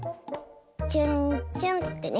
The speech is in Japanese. チュンチュンってね。